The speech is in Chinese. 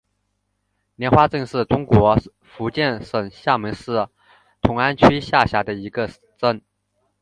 莲花镇是中国福建省厦门市同安区下辖的一个镇。